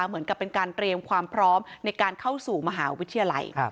เหมือนกับเป็นการเตรียมความพร้อมในการเข้าสู่มหาวิทยาลัย